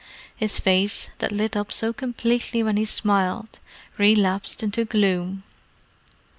His face, that lit up so completely when he smiled, relapsed into gloom.